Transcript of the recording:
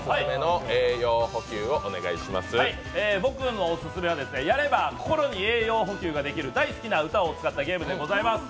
僕のオススメはやれば心に栄養補給ができる大好きな歌を使ったゲームでございます。